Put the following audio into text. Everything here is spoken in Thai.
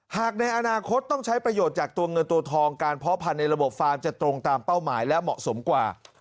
ในอนาคตต้องใช้ประโยชน์จากตัวเงินตัวทองการเพาะพันธุ์ในระบบฟาร์มจะตรงตามเป้าหมายและเหมาะสมกว่า